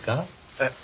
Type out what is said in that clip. えっ？